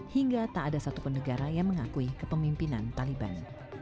hingga tak ada satu pendegara yang mengakui kepemimpinan taliban